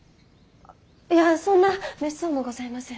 いやそんなめっそうもございません。